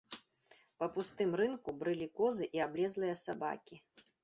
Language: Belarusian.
Па пустым рынку брылі козы і аблезлыя сабакі.